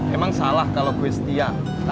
emang salah kalau gue setia